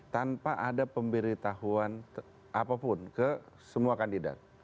tanpa ada pemberitahuan apapun ke semua kandidat